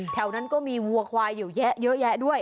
แถวนั้นก็มีวัวควายอยู่เยอะแยะด้วย